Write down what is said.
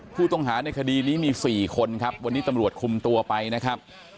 ผู้ต้องหาในคดีนี้มี๔คนครับวันนี้ตำรวจคุมตัวไปนะครับ